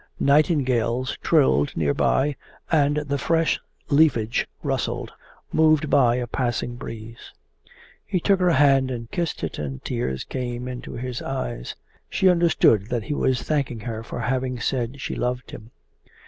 Nightingales trilled near by and the fresh leafage rustled, moved by a passing breeze. He took her hand and kissed it, and tears came into his eyes. She understood that he was thanking her for having said she loved him.